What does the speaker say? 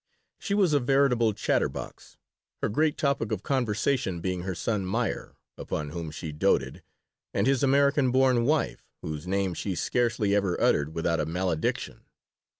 She was a veritable chatter box, her great topic of conversation being her son Meyer, upon whom she doted, and his American born wife, whose name she scarcely ever uttered without a malediction.